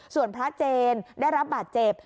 ส่วนพระเจนได้รับบาดเจ็บ